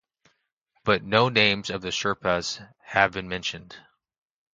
But no names of the Sherpas have been mentioned.